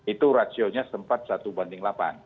itu ratio nya sempat satu banding delapan